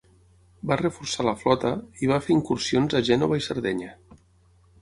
Va reforçar la flota i va fer incursions a Gènova i Sardenya.